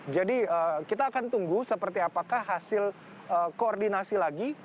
jadi kita akan tunggu seperti apakah hasil koordinasi lagi